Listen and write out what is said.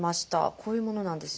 こういうものなんですね。